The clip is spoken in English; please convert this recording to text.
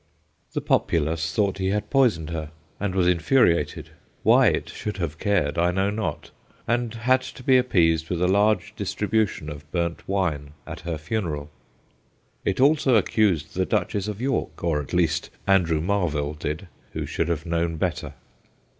The populace thought he had poisoned her, and was infuriated why it should have cared I know not and had to be appeased with a large distribution of burnt wine at her funeral. It also accused the Duchess of York, or at least Andrew Marvell did, who should have known better.